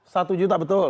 satu juta betul